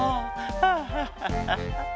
ハハハハ。